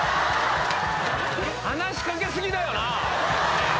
話しかけ過ぎだよな！